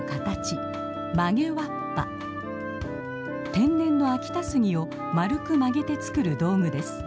天然の秋田杉を丸く曲げて作る道具です。